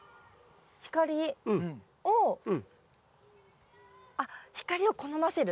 光をあっ光を好ませる？